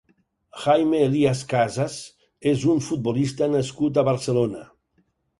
Jaime Elías Casas és un futbolista nascut a Barcelona.